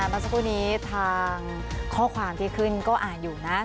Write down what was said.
เมื่อสักครู่นี้ทางข้อความที่ขึ้นก็อ่านอยู่นะ